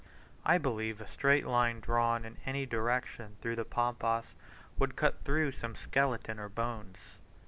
I believe a straight line drawn in any direction through the Pampas would cut through some skeleton or bones.